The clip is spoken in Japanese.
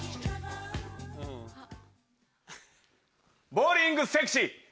ボウリングセクシー！